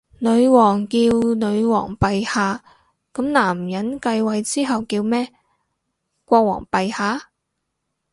女王叫女皇陛下，噉男人繼位之後叫咩？國王陛下？